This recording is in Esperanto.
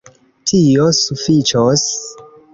Tio sufiĉos.